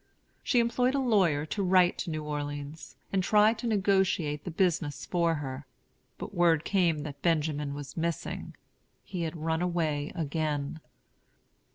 She employed a lawyer to write to New Orleans, and try to negotiate the business for her. But word came that Benjamin was missing; he had run away again.